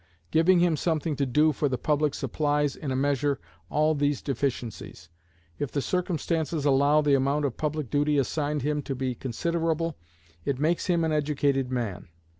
Giving him something to do for the public supplies, in a measure, all these deficiencies. If circumstances allow the amount of public duty assigned him to be considerable, it makes him an educated man.